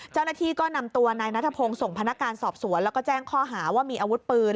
เจ้าหน้าที่ก็นำตัวนายนัทพงศ์ส่งพนักการสอบสวนแล้วก็แจ้งข้อหาว่ามีอาวุธปืน